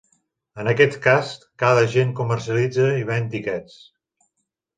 En aquest cas, cada agent comercialitza i ven tiquets.